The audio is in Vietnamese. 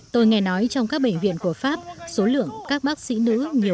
tôi nghe nói trong các bệnh viện của pháp số lượng các bác sĩ nữ nhiều hơn cả các bác sĩ nam